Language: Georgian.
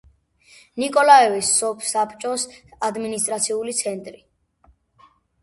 ნიკოლაევის სოფსაბჭოს ადმინისტრაციული ცენტრი.